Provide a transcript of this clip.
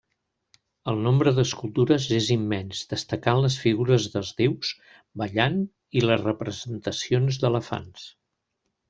El nombre d'escultures és immens, destacant les figures dels déus ballant i les representacions d'elefants.